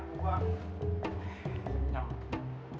nah udah ada cik